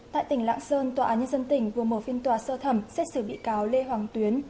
tại tỉnh lạng sơn tòa án nhân dân tỉnh vừa mở phiên tòa sơ thẩm xét xử bị cáo lê hoàng tuyến